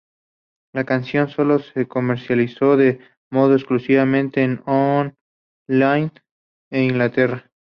La canción solo se comercializó de modo exclusivamente on-line en Inglaterra.